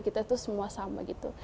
kita itu semua sama gitu